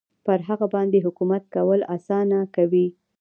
پر هغه باندې حکومت کول اسانه کوي.